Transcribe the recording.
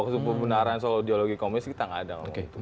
soal pembenaran geologi komunis kita nggak ada ngomong itu